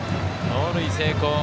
盗塁成功。